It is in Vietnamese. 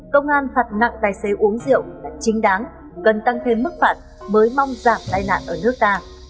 công an phạt nặng tài xế uống rượu là chính đáng cần tăng thêm mức phạt mới mong giảm tai nạn ở nước ta